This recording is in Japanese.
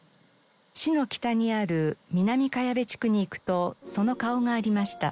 市の北にある南茅部地区に行くとその顔がありました。